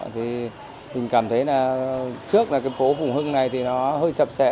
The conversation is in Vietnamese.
thì mình cảm thấy là trước là cái phố phùng hưng này thì nó hơi sập xẹ